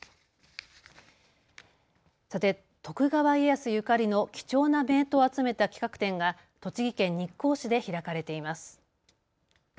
徳川家康ゆかりの貴重な名刀を集めた企画展が栃木県日光市で開かれています。